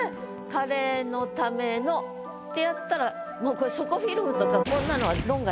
「カレーのための」ってやったらもうこれ「底フィルム」とか論外？